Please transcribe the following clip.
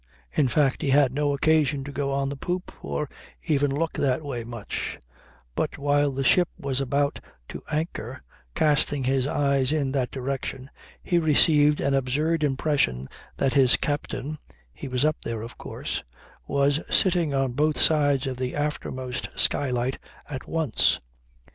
In fact, he had no occasion to go on the poop, or even look that way much; but while the ship was about to anchor, casting his eyes in that direction, he received an absurd impression that his captain (he was up there, of course) was sitting on both sides of the aftermost skylight at once.